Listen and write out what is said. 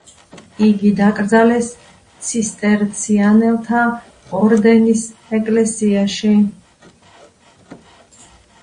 იგი დაკრძალეს ცისტერციანელთა ორდენის ეკლესიაში.